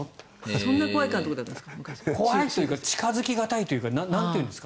そんな怖い監督だったんですか？